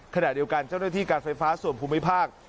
ขณะเดียวกันเจ้าหน้าที่การไฟฟ้าส่วนภูมิภาค